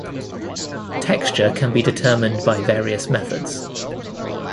Texture can be determined by various methods.